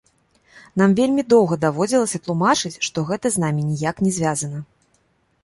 Нам вельмі доўга даводзілася тлумачыць, што гэта з намі ніяк не звязана.